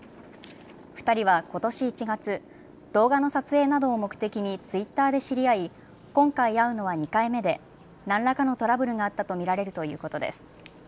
２人はことし１月、動画の撮影などを目的にツイッターで知り合い今回会うのは２回目で何らかのトラブルがあったと見られるということです。